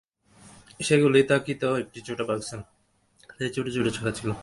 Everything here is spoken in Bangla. সেগুলি থাকিত একটি ছোট বাক্সে, তাহাতে ছোট ছোট চাকা ছিল।